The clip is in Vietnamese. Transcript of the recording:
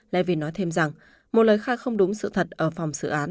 levin nói thêm rằng một lời khai không đúng sự thật ở phòng xử án